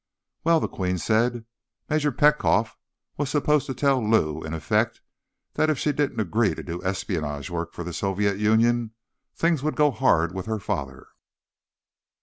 "Well," the Queen said, "Major Petkoff was supposed to tell Lou, in effect, that if she didn't agree to do espionage work for the Soviet Union, things would go hard with her father."